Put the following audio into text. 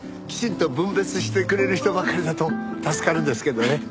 きちんと分別してくれる人ばかりだと助かるんですけどね。